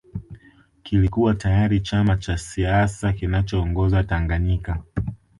Kilikuwa tayari chama cha siasa kinachoongoza Tanganyika